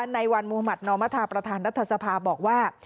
ในวันมหมาตย์นมประธานรัฐสภาบอกว่า